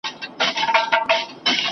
د درواغو مخه بايد ونيول سي.